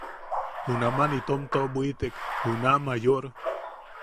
Junaman itom toʼobwitek juna Mayor.